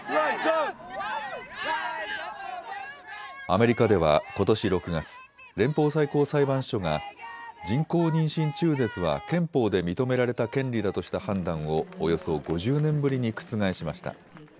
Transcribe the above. アメリカではことし６月、連邦最高裁判所が人工妊娠中絶は憲法で認められた権利だとした判断をおよそ５０年ぶりに覆しました。